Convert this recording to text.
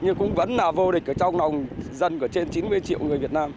nhưng cũng vẫn là vô địch ở trong nông dân của trên chín mươi triệu người việt nam